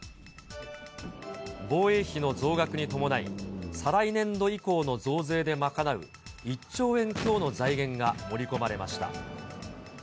防衛費の増額に伴い、再来年度以降の増税で賄う１兆円強の財源が盛り込まれました。